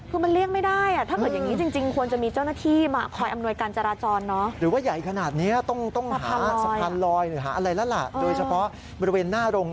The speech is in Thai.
คือมันเรียกไม่ได้ถ้าเกิดอย่างนี้จริง